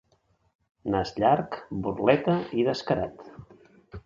Nas llarg, burleta i descarat.